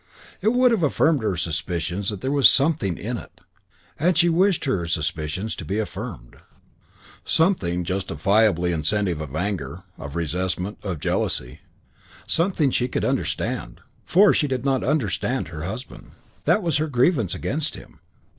It would have affirmed her suspicions that there was "something in it"; and she wished her suspicions to be affirmed. It would have been something definite. Something justifiably incentive of anger, of resentment, of jealousy. Something she could understand. For she did not understand her husband. That was her grievance against him.